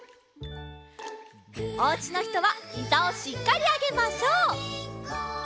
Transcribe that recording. おうちのひとはひざをしっかりあげましょう。